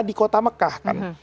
di kota mekah kan